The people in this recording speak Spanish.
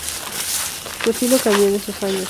Su estilo cambió en esos años.